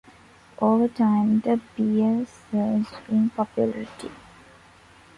Over time the beer surged in popularity.